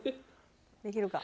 できるか？